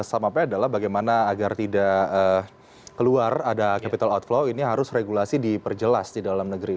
jadi sama apa adalah bagaimana agar tidak keluar ada capital outflow ini harus regulasi diperjelas di dalam negeri